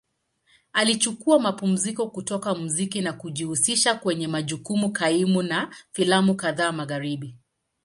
Alichukua mapumziko kutoka muziki na kujihusisha kwenye majukumu kaimu na filamu kadhaa Magharibi.